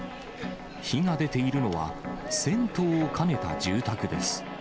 火が出ているのは、銭湯を兼ねた住宅です。